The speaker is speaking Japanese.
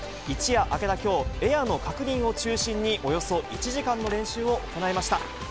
一夜明けたきょう、エアの確認を中心に、およそ１時間の練習を行いました。